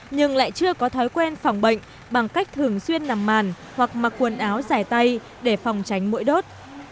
nhưng lại chưa có thói quen phòng bệnh bằng cách thường xuyên nằm màn hoặc mặc quần áo dài tay để phòng tránh mũi đốt